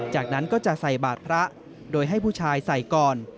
จากนั้นก็จะใส่บาทพระโดยให้ผู้ชายใส่ก่อน